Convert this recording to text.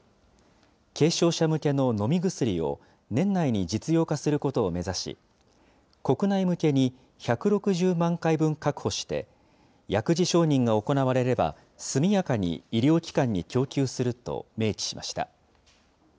軽症者向けの飲み薬を年内に実用化することを目指し、国内向けに１６０万回分確保して、薬事承認が行われれば、速やかに医療機関に供給すると明記しました。